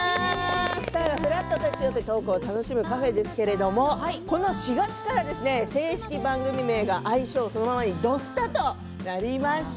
スターがふらっと立ち寄ってトークを楽しむカフェですけれどこの４月から正式番組名が愛称そのままに「土スタ」となりました。